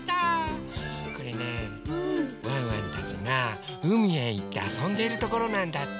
これねワンワンたちがうみへいってあそんでいるところなんだって。